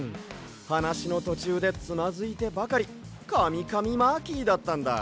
はなしのとちゅうでつまずいてばかりカミカミマーキーだったんだ。